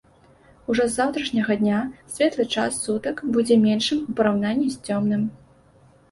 Ужо з заўтрашняга дня светлы час сутак будзе меншым у параўнанні з цёмным.